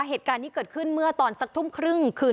เหตุการณ์นี้เกิดขึ้นเมื่อตอนสักทุ่มครึ่งคืน